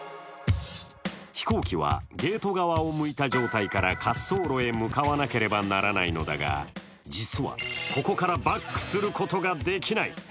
飛行はゲート側を向いた状態から滑走路へ向かわなければならないのだが実は、ここからバックすることができない。